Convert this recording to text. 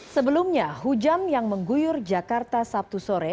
sebelumnya hujan yang mengguyur jakarta sabtu sore